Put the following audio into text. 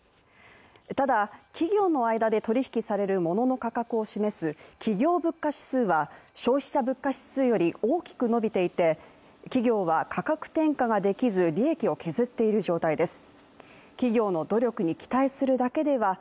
ただ、企業の間で取引きされるモノの価格を示す企業物価指数は消費者物価指数より大きく伸びていて企業は価格転嫁ができず利益を削っている状態です。